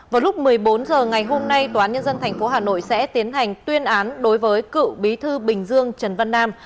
vào lúc một mươi bốn h ngày hôm nay tòa án nhân dân tp hà nội sẽ tiến hành tuyên án đối với cựu bí thư bình dương trần văn nam